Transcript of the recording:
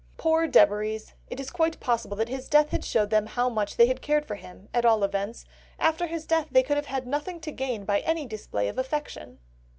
Poor Debaries, it is quite possible that his death had showed them how much they had cared for him, at all events, after his death they could have had nothing to gain by any display of affection!